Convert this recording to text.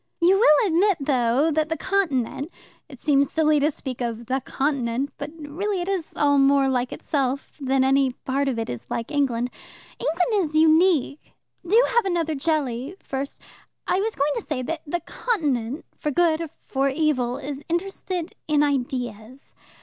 "You will admit, though, that the Continent it seems silly to speak of 'the Continent,' but really it is all more like itself than any part of it is like England. England is unique. Do have another jelly first. I was going to say that the Continent, for good or for evil, is interested in ideas.